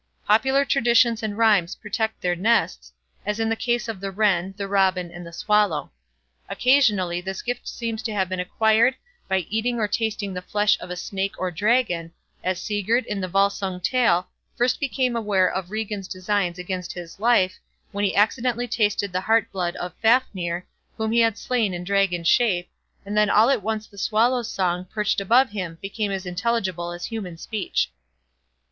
Popular traditions and rhymes protect their nests, as in the case of the wren, the robin, and the swallow. Occasionally this gift seems to have been acquired by eating or tasting the flesh of a snake or dragon, as Sigurd, in the Volsung tale, first became aware of Regin's designs against his life, when he accidentally tasted the heart blood of Fafnir, whom he had slain in dragon shape, and then all at once the swallow's song, perched above him, became as intelligible as human speech.